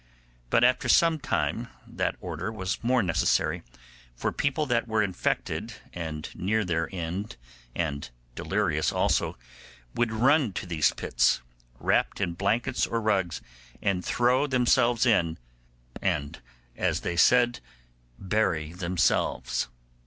But after some time that order was more necessary, for people that were infected and near their end, and delirious also, would run to those pits, wrapt in blankets or rugs, and throw themselves in, and, as they said, bury themselves.